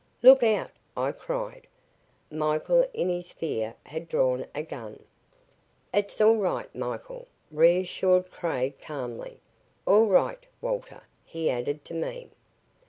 "Look out!" I cried. Michael in his fear had drawn a gun. "It's all right, Michael," reassured Craig calmly. "All right, Walter," he added to me.